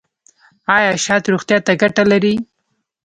ایا شات روغتیا ته ګټه لري؟